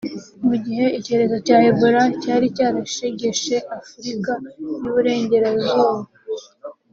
Mu gihe icyorezo cya Ebola cyari cyarashegeshe Afurika y’u Burengerazuba